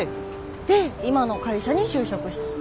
で今の会社に就職したの？